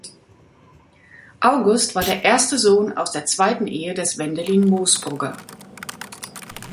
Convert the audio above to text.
August war der erste Sohn aus der zweiten Ehe des Wendelin Moosbrugger.